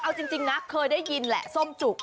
เอาจริงนะเคยได้ยินแหละส้มจุก